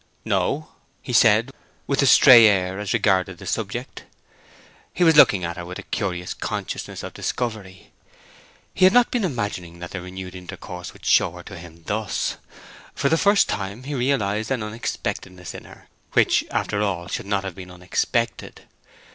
"No?" he said, with a stray air as regarded the subject. He was looking at her with a curious consciousness of discovery. He had not been imagining that their renewed intercourse would show her to him thus. For the first time he realized an unexpectedness in her, which, after all, should not have been unexpected.